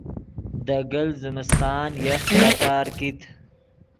دے گلت زمستان یخ کٹار کیت